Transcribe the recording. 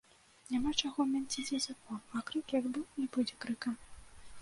Няма чаго мянціць языкам, а крык, як быў, і будзе крыкам